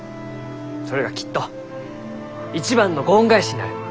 それがきっと一番のご恩返しになる。